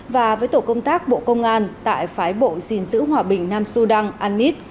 và với tổ công tác bộ công an tại phái bộ xin giữ hòa bình nam sudan anmis